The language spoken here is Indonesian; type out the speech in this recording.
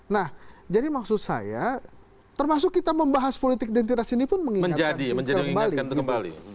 nah jadi maksud saya termasuk kita membahas politik identitas ini pun mengingatkan kembali